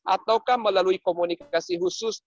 atau melalui komunikasi khusus